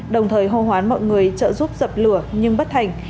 đồng thời hô hoán mọi người trợ giúp dập lửa nhưng bất thành